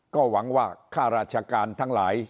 ก็หวังว่าค่าราชการทั้งหลาย